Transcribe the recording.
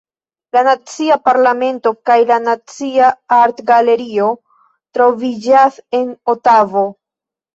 La Nacia Parlamento kaj la Nacia Artgalerio troviĝas en Otavo.